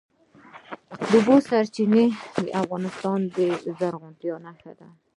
د اوبو سرچینې د افغانستان د زرغونتیا نښه ده.